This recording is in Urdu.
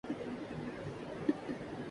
صحت کی تراغیب ہسپتالوں کے ماحول نہیں